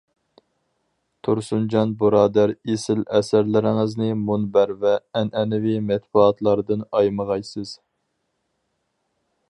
تۇرسۇنجان بۇرادەر ئېسىل ئەسەرلىرىڭىزنى مۇنبەر ۋە ئەنئەنىۋى مەتبۇئاتلاردىن ئايىمىغايسىز.